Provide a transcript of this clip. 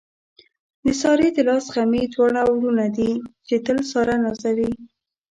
د سارې د لاس غمي دواړه وروڼه دي، چې تل ساره نازوي.